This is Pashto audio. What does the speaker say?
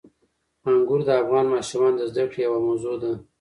انګور د افغان ماشومانو د زده کړې یوه موضوع ده.